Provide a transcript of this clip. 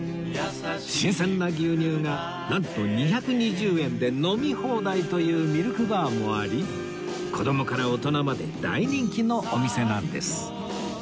新鮮な牛乳がなんと２２０円で飲み放題というミルクバーもあり子供から大人まで大人気のお店なんです